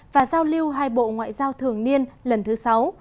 và giao lưu hai bộ ngoại giao thường niên lần thứ sáu